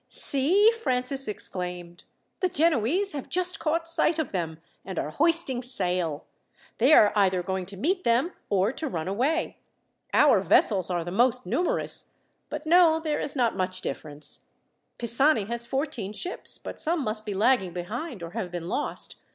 "See!" Francis exclaimed. "The Genoese have just caught sight of them, and are hoisting sail. They are either going to meet them or to run away. Our vessels are the most numerous; but no, there is not much difference. Pisani has fourteen ships, but some must be lagging behind, or have been lost.